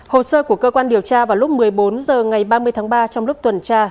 hồ sơ của cơ quan điều tra vào lúc một mươi bốn h ngày ba mươi tháng ba trong lúc tuần tra